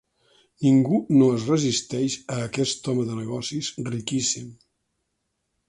Ningú no es resisteix a aquest home de negocis riquíssim.